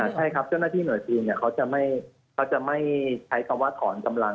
ใช่ครับเจ้าหน้าที่หน่วยจีนเขาจะไม่ใช้คำว่าถอนกำลัง